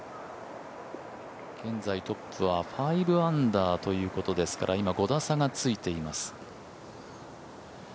現在トップは５アンダーですから５打差がついています。